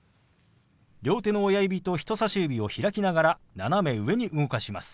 両手の親指と人さし指を開きながら斜め上に動かします。